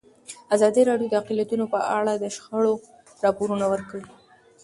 ازادي راډیو د اقلیتونه په اړه د شخړو راپورونه وړاندې کړي.